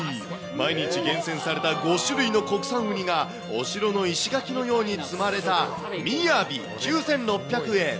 毎日厳選された５種類の国産ウニがお城の石垣のように詰まれた雅、９６００円。